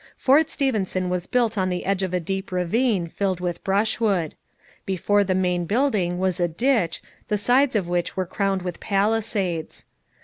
Fort Stephenson was built on the edge of a deep ravine filled with brushwood. Before the main building was a ditch, the sides of which were crowned with palisades.